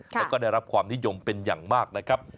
แล้วก็ได้รับความนิยมเป็นอย่างมากนะครับ